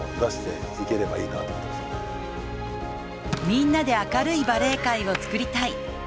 みんなで明るいバレー界を作りたい。